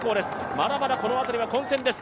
まだまだこの辺りは混戦です。